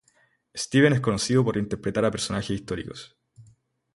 Steven es conocido por interpretar a personajes históricos.